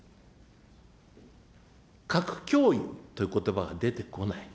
核脅威ということばが出てこない。